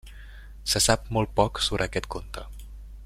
Se sap molt poc sobre aquest comte.